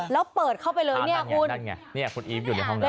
แล้วเปิดเข้าไปเลยนี่คุณอีฟอยู่ในห้องนั้น